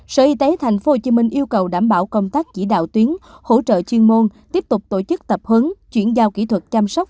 sở y tế tp hcm yêu cầu đảm bảo công tác chỉ đạo tuyến hỗ trợ chuyên môn tiếp tục tổ chức tập huấn chuyển giao kỹ thuật chăm sóc